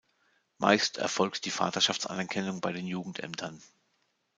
Meist erfolgt die Vaterschaftsanerkennung bei den Jugendämtern.